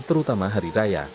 terutama hari raya